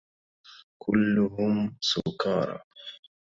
كلهم سكارى.